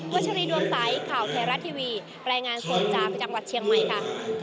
วัชฎีดวงไตร์ข่าวแทรร่าทีวีแรงงานโฟล์จากจังหวัดเชียงใหม่ค่ะ